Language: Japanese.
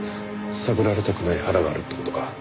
探られたくない腹があるって事か。